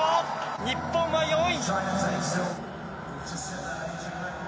日本は４位。